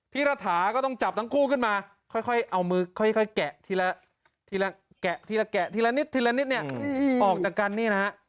พี่รถาก็ต้องจับทั้งคู่ขึ้นมาค่อยเอามือค่อยแกะทีละนิดเนี่ยออกจากกันนี่นะ